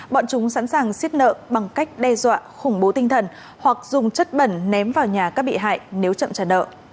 bọn chúng sẵn sàng xiết nợ bằng cách đe dọa khủng bố tinh thần hoặc dùng chất bẩn ném vào nhà các bị hại nếu chậm trả nợ